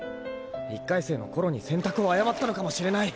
１回生のころに選択を誤ったのかもしれない。